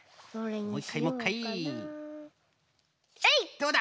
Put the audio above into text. どうだ？